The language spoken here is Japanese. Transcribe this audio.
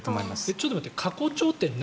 ちょっと待って。